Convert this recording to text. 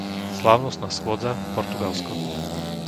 Slávnostná schôdza - Portugalsko